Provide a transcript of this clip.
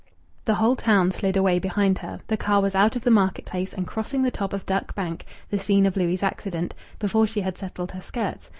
The whole town slid away behind her. The car was out of the market place and crossing the top of Duck Bank, the scene of Louis' accident, before she had settled her skirts.